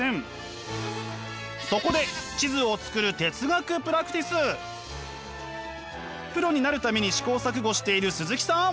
そこで地図を作るプロになるために試行錯誤している鈴木さん！